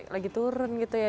lagi turun gitu ya